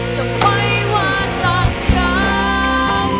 จะไหว่ว่าสักครั้ง